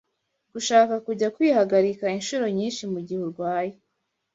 Gushaka kujya kwihagarika inshuro nyinshi mugihe urwaye